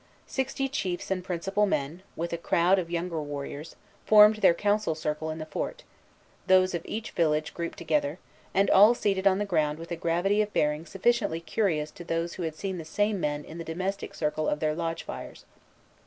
Sixty chiefs and principal men, with a crowd of younger warriors, formed their council circle in the fort, those of each village grouped together, and all seated on the ground with a gravity of bearing sufficiently curious to those who had seen the same men in the domestic circle of their lodge fires.